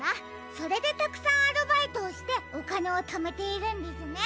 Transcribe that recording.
それでたくさんアルバイトをしておかねをためているんですね。